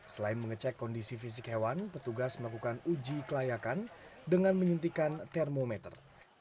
selain mengecek kondisi fisik hewan petugas melakukan uji kelayakan dengan menyuntikan termometer